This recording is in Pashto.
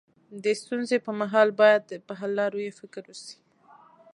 د ستونزي پر مهال باید پر حل لارو يې فکر وسي.